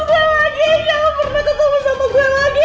jangan pernah ketemu sama gua lagi ya